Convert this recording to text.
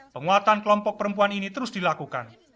penguatan kelompok perempuan ini terus dilakukan